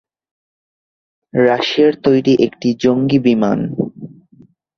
রাশিয়ার তৈরি একটি জঙ্গি বিমান।